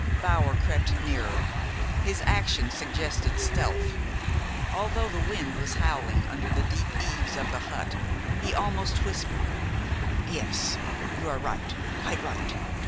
Bower crept nearer. His action suggested stealth. Although the wind was howling under the deep eaves of the hut, he almost whispered. "Yes, you are right quite right.